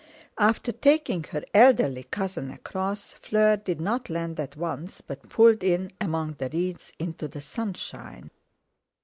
After taking her elderly cousin across, Fleur did not land at once, but pulled in among the reeds, into the sunshine.